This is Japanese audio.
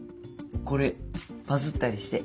これバズったりして。